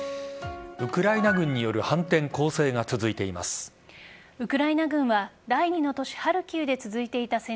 ウクライナ軍による反転攻勢が続いています。